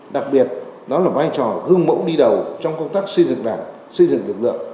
đặc biệt đó là vai trò gương mẫu đi đầu trong công tác xây dựng đảng xây dựng lực lượng